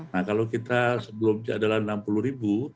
nah kalau kita sebelumnya adalah enam puluh ribu